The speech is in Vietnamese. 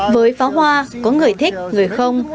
với pháo hoa có người thích người không